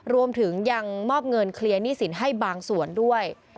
รวมถึงยังมอบเงินเคลียร์หนี้สินให้บางส่วนด้วย